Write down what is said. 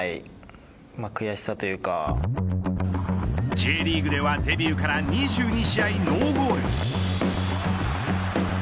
Ｊリーグではデビューから２２試合ノーゴール。